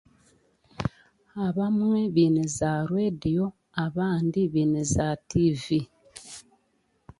Abamwe beine za reediyo abandi beine za TV.